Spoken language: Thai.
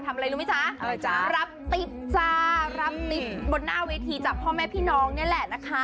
อะไรรู้ไหมจ๊ะอะไรจ๊ะรับติ๊บจ้ารับติ๊บบนหน้าเวทีจากพ่อแม่พี่น้องนี่แหละนะคะ